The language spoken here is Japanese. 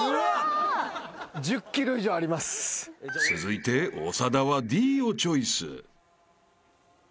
［続いて長田はＤをチョイス］